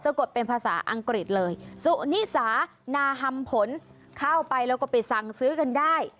กดเป็นภาษาอังกฤษเลยสุนิสานาฮัมผลเข้าไปแล้วก็ไปสั่งซื้อกันได้